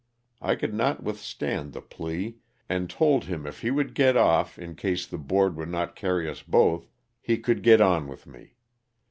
I could not withstand the plea, and told him if he would get off in case the board would not carry us both, he could get on with me.